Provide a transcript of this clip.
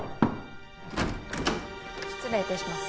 失礼致します。